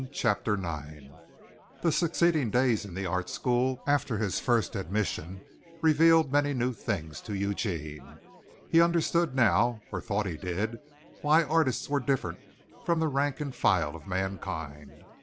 CHAPTER IX The succeeding days in the art school after his first admission revealed many new things to Eugene. He understood now, or thought he did, why artists were different from the rank and file of mankind.